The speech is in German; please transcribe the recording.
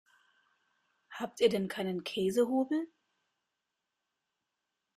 Habt ihr denn keinen Käsehobel?